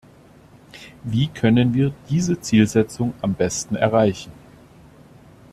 Wie können wir diese Zielsetzung am besten erreichen?